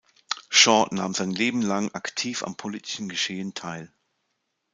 Shaw nahm sein Leben lang aktiv am politischen Geschehen teil.